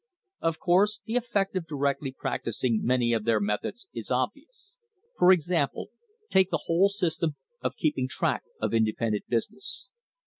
Of course the effect of directly practising many of their methods is obvious. For example, take the whole system of keeping track of independent business.